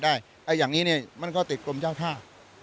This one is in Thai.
คืออย่างนี้มันก็ติดกรมเจ้าท่า